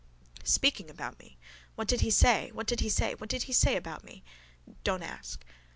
Speaking about me. What did he say? What did he say? What did he say about me? Don't ask.